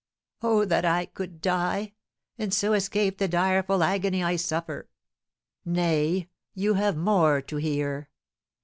"Oh, that I could die, and so escape the direful agony I suffer!" "Nay you have more to hear!